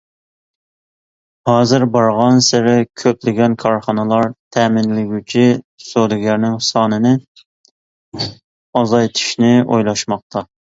ھازىر بارغانسېرى كۆپلىگەن كارخانىلار تەمىنلىگۈچى سودىگەرنىڭ سانىنى ئازايتىشنى ئويلاشماقتا.